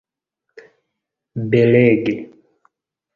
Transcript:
belege